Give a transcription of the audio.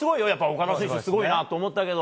岡田選手、すごいなと思ったけど。